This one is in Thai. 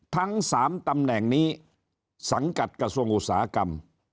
ทั้ง๓ตำแหน่งนี้สังกัดกระทรวงอุตสาหกรรม